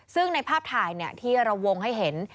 ซึ่งในภาพถ่ายที่เราวงให้เห็น